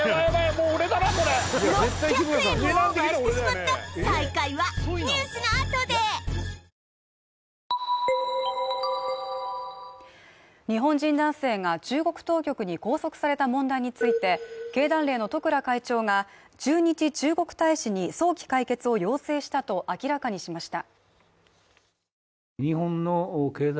もう俺だなこれ６００円もオーバーしてしまった最下位はニュースのあとで日本人男性が中国当局に拘束された問題について、経団連の十倉会長が駐日中国大使に早期解決を要請したと明らかにしました。